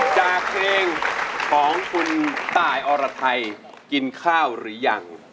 จากเพลงของคุณตายอรไทยกินข้าวหรือยัง